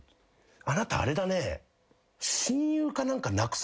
「あなたあれだね」